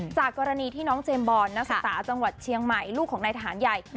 จากกรณีที่น้องเจมส์บอลนักศึกษาจังหวัดเชียงใหม่ลูกของนายทหารใหญ่